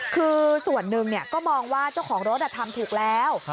คือส่วนหนึ่งก็มองว่าเจ้าของรถทำถูกแล้ว